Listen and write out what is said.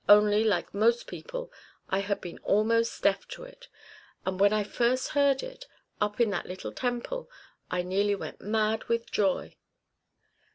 Only, like most people, I had been almost deaf to it; and when I first heard it, up in that little temple, I nearly went mad with joy.